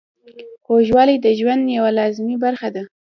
خوږوالی د ژوند یوه لازمي برخه ده.